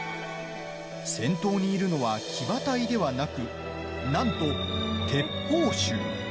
先頭にいるのは騎馬隊ではなくなんと鉄砲衆。